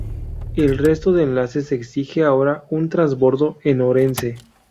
El resto de enlaces exige ahora un trasbordo en Orense.